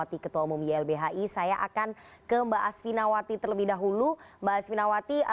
terima kasih mbak asvinawati